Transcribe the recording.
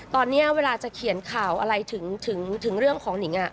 ตอนนี้เวลาจะเขียนข่าวอะไรถึงเรื่องของหนิง